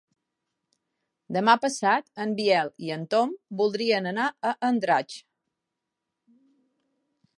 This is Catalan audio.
Demà passat en Biel i en Tom voldrien anar a Andratx.